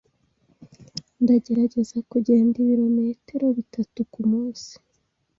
Ndagerageza kugenda ibirometero bitatu kumunsi.